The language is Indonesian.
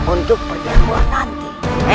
untuk perjanjuan nanti